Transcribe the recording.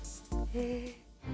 へえ。